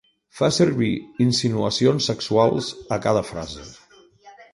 Fa servir insinuacions sexuals a cada frase.